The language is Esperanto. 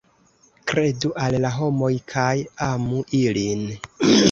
Kredu al la homoj kaj amu ilin.